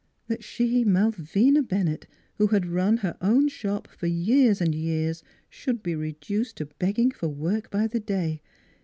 That she, Malvina Bennett, who had run her own shop for years and years should be reduced to begging for work by the day.